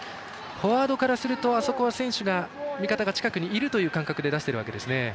フォワードからするとあそこは選手が味方が近くにいるという感覚で出しているわけですね。